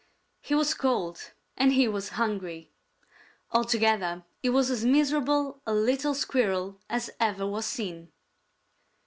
He was cold, and he was hungry. Altogether he was as miserable a little Squirrel as ever was seen.